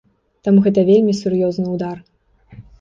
Таму гэта вельмі сур'ёзны ўдар.